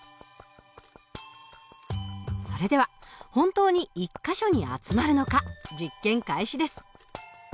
それでは本当に１か所に集まるのか実験開始です。